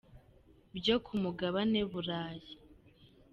byo ku mugabane Burayi.